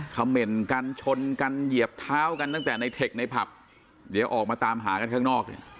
เขม่นกันชนกันเหยียบเท้ากันตั้งแต่ในเทคในผับเดี๋ยวออกมาตามหากันข้างนอกเนี่ย